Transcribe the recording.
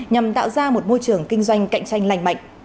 nhằm tạo ra một môi trường kinh doanh cạnh tranh lành mạnh